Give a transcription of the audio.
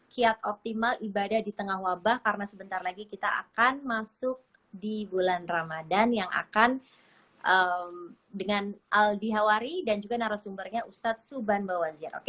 kiat optimal ibadah di tengah wabah karena sebentar lagi kita akan masuk di bulan ramadan yang akan dengan aldi hawari dan juga narasumbernya ustadz suban bawazir